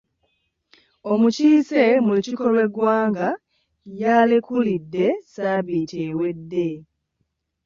Omukiise mu lukiiko lw'eggwanga yalekulidde sabbiiti ewedde.